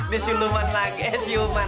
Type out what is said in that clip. disiuman lagi siuman